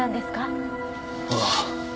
ああ。